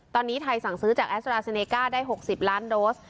ตอนนี้ไทยสั่งซื้อจากแอสราเซเนก้าได้๖๐ล้านโดส